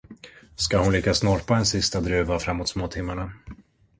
Ska hon lyckas norpa en sista druva framåt småtimmarna?